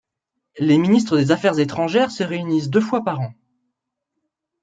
Les ministres des Affaires étrangères se réunissent deux fois par an.